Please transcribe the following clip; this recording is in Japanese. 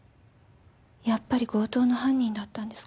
やっぱり強盗の犯人だったんですか。